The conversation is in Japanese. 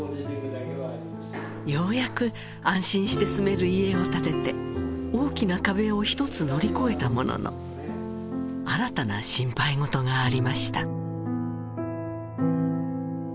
ようやく安心して住める家を建てて大きな壁を１つ乗り越えたものの新たな心配ごとがありました